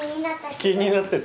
気になってた？